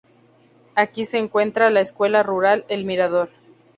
Aquí se encuentra la escuela rural El Mirador.